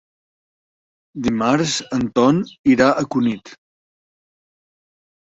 Dimarts en Ton irà a Cunit.